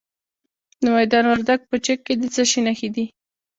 د میدان وردګو په چک کې د څه شي نښې دي؟